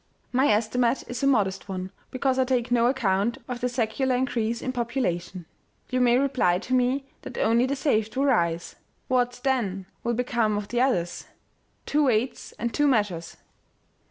My estimate is a modest one, because I take no account of the secular increase in population. You may reply to me, that only the saved will rise ! What, then, will become of the others ? Two weights and two measures